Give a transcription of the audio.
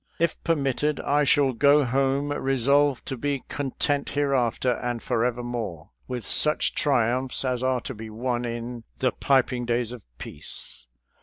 If permitted, I shall go home resolved to be con AROUND YORKTOWN 43 tent, hereafter and forever more, with such tri umphs as are to be won in " the piping days of peace."